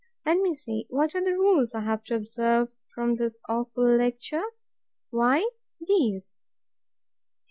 Let me see: What are the rules I am to observe from this awful lecture? Why these: 1.